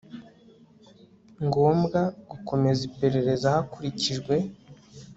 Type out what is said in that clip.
ngombwa gukomeza iperereza hakurikijwe